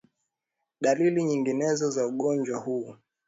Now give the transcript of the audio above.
Dalili nyinginezo za ugonjwa huu